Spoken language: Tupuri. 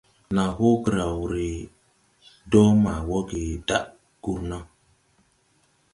Naa hoo graw re do ma wooge daʼ gurna.